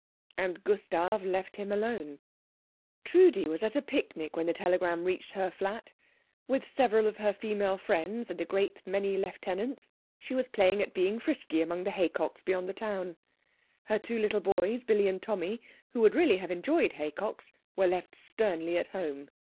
And Gustav left him alone. Trudi was at a picnic when the telegram reached her flat. With several of her female friends and a great many lieutenants she was playing at being frisky among the haycocks beyond the town. Her two little boys, Billy and Tommy, who would really have enjoyed haycocks, were left sternly at home.